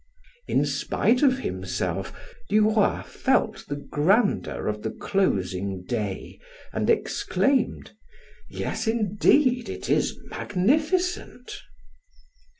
In spite of himself Duroy felt the grandeur of the closing day and exclaimed: "Yes, indeed, it is magnificent."